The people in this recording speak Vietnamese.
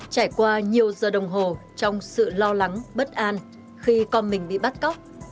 trải qua nhiều giờ đồng hồ trong sự lo lắng bất an khi con mình bị bắt cóc